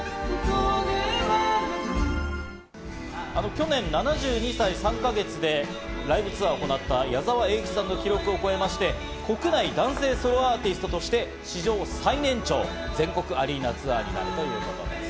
去年７２歳３か月でライブツアーを行った矢沢永吉さんの記録を超えまして、国内男性ソロアーティストとして史上最年長、全国アリーナツアーになるということです。